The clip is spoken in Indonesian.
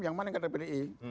yang mana yang kader pdi